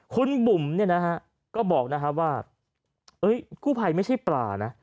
คุณบุ๋มก็บอกว่ากู้ภัยไม่ใช่ปลานะ